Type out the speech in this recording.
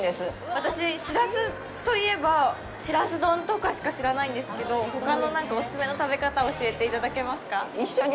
私、しらすといえば、しらす丼とかしか知らないんですけど、ほかの何かお薦めの食べ方を教えていただけますか。